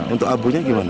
untuk abunya bagaimana